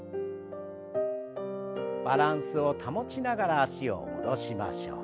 バランスを保ちながら脚を戻しましょう。